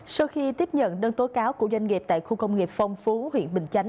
sau khi tiếp nhận đơn tố cáo của doanh nghiệp tại khu công nghiệp phong phú huyện bình chánh